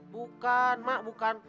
bukan emak bukan